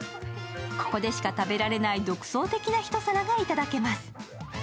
ここでしか食べられない独創的なひと皿が頂けます。